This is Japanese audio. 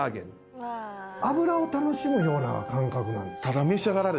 脂を楽しむような感覚なんですか？